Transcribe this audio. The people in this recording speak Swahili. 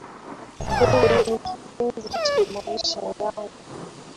Wewe ni kipenzi cha maisha yangu.